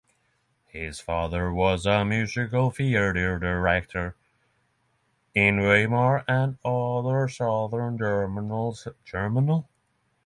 His father was a musical theatre director in Weimar and other Southern German centers.